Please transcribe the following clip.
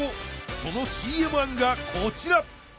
そのＣＭ案がこちら！